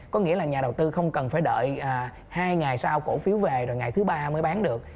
có nghĩa là nhà đầu tư không cần phải đợi hai ngày sau cổ phiếu về rồi ngày thứ ba mới bán được